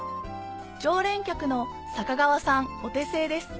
常連客の坂川さんお手製です